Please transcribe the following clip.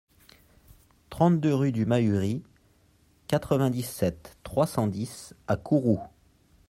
trente-deux rue du Mahury, quatre-vingt-dix-sept, trois cent dix à Kourou